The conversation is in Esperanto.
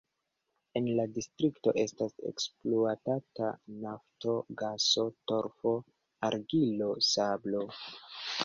En la distrikto estas ekspluatata nafto, gaso, torfo, argilo, sablo.